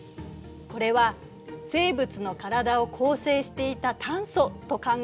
これは生物の体を構成していた炭素と考えられているの。